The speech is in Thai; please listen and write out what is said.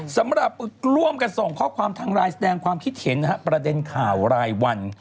สำหรับร่วมกันส่งข้อความทางไลน์แสดงความคิดเห็นประเด็นข่าวรายวัน